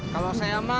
kalau saya mas